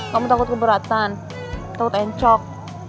kamu takut keberatan takut encok